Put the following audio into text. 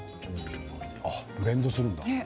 ブレンドするんだ。